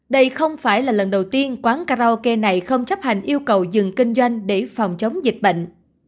đây không phải là lần đầu tiên quán karaoke này không chấp hành yêu cầu dừng kinh doanh để phòng chống dịch bệnh